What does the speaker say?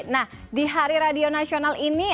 nah di hari radio nasional ini